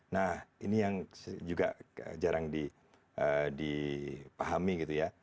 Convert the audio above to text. nah ini yang juga jarang dipahami gitu ya